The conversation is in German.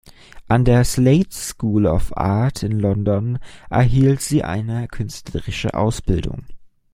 An der Slade School of Art in London erhielt sie eine künstlerische Ausbildung.